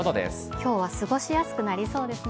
きょうは過ごしやすくなりそうですね。